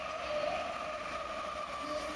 达尔比耶。